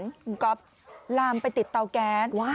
คุณก๊อฟลามไปติดเตาแก๊ส